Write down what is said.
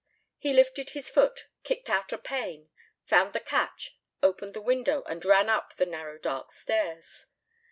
He lifted his foot, kicked out a pane, found the catch, opened the window and ran up the narrow dark stairs.